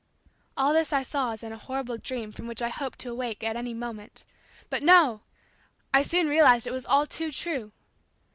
All this I saw as in a horrible dream from which I hoped to awake at any moment. But, no! I soon realized it was all too true.